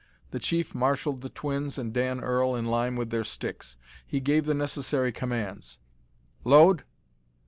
The chief marshalled the twins and Dan Earl in line with their sticks. He gave the necessary commands: "Load!